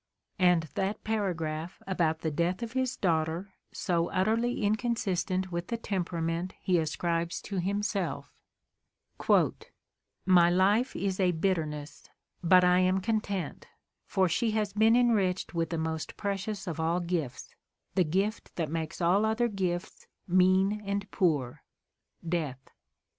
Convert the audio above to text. And that paragraph about the death of his daughter, so utterly inconsistent with the temperament he ascribes to himself: "My life is a bitterness, but I am content; for she has been enriched with the most precious of all gifts — the gift that makes all other gifts mean and poor — death.